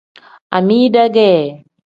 Amida ge.